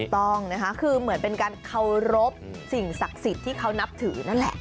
ต้องนะคะคือเหมือนเป็นการเคารพสิ่งศักดิ์สิทธิ์ที่เขานับถือนั่นแหละ